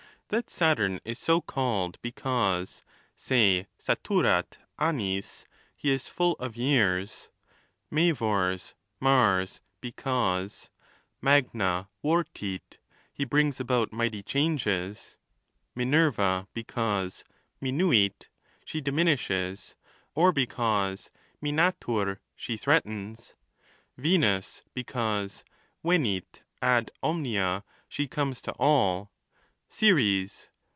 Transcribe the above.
That Saturn is so called i)ecauso se saturat Mi nis, he is full of years; Mavors, Mars, because magna THE NATURE OF THE GODS. 341 vortit, he brings about mighty changes ; Minerva, because minuit, she diminishes, oi because minatur, she threatens; Venus, because ve7iit ad omnia, she comes to all ; Ceres.